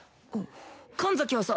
神崎はさ